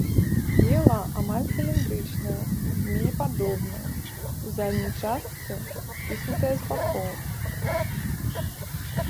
Цела амаль цыліндрычнае, змеепадобнае, у задняй частцы сціснутае з бакоў.